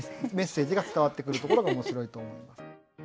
メッセージが伝わってくるところが面白いと思います。